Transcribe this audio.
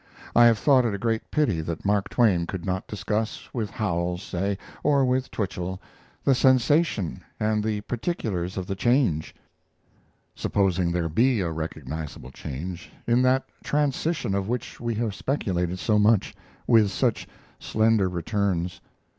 I have thought it a great pity that Mark Twain could not discuss, with Howells say, or with Twichell, the sensations and the particulars of the change, supposing there be a recognizable change, in that transition of which we have speculated so much, with such slender returns.